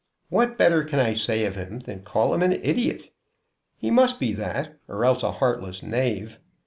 What better can I say of him than call him an idiot? He must be that or else a heartless knave.